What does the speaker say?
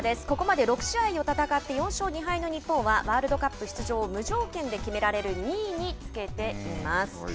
ここまで６試合を戦って４勝２敗の日本はワールドカップ出場を無条件で決められる２位につけています。